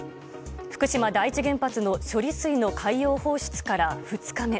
福島第一原発の処理水の海洋放出から２日目。